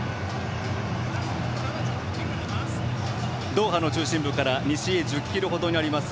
ドーハの中心部から西に１０ｋｍほどにあります